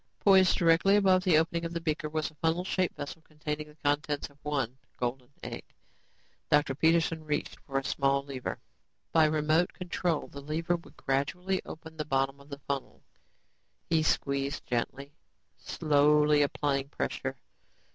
Poised directly above the opened beaker was a funnel shaped vessel containing the contents of one golden egg. Dr. Peterson reached for a small lever. By remote control, the lever would gradually open the bottom of the funnel. He squeezed gently, slowly applying pressure.